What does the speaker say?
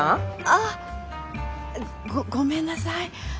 あっごっごめんなさい。